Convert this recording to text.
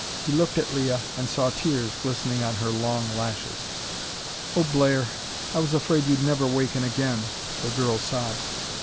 He looked at Leah and saw tears glistening on her long lashes. "Oh, Blair, I was afraid you'd never waken again," the girl sobbed.